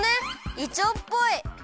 いちょうっぽい！